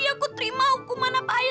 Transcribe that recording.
aku terima hukuman apa aja